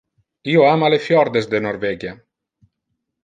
Io ama le fjordes de Norvegia.